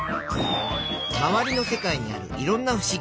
まわりの世界にあるいろんなふしぎ。